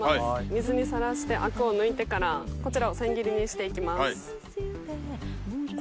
水にさらしてアクを抜いてからこちらを千切りにしていきます。